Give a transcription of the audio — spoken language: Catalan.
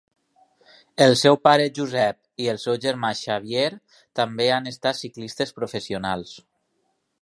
El seu pare Josep i el seu germà Xavier, també han estat ciclistes professionals.